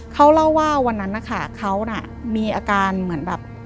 เขาเล่าว่าวันนั้นนะคะเขาน่ะมีอาการเหมือนแบบ